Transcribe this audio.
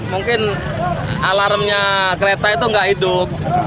mungkin alarmnya kereta itu nggak hidup